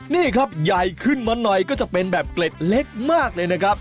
นี่ครับใหญ่ขึ้นมาหน่อยก็จะเป็นแบบเกล็ดเล็กมากเลยนะครับ